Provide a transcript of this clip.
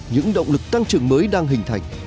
những động lực tăng trưởng mới đang hình thành